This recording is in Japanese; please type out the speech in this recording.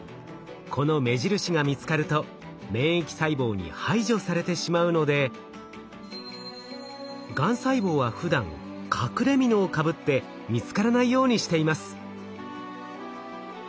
この目印が見つかると免疫細胞に排除されてしまうのでがん細胞はふだん隠れみのをかぶって見つからないようにしています。